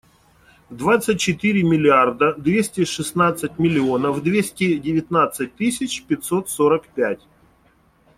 Двадцать четыре миллиарда двести шестнадцать миллионов двести девятнадцать тысяч пятьсот сорок пять.